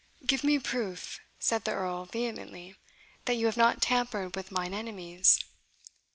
"Give me proof," said the Earl vehemently, "that you have not tampered with mine enemies."